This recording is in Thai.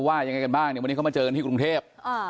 ว่ายังไงกันบ้างวันนี้มาเจอกันกรุงเทพ